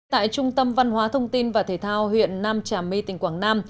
tại trung tâm văn hóa thông tin và thể thao huyện nam trà my tỉnh quảng nam